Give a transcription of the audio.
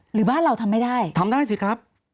หรือบ้านเราทำไม่ได้ทำได้สิครับ